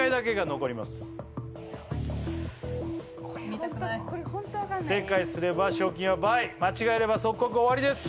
見たくない正解すれば賞金は倍間違えれば即刻終わりです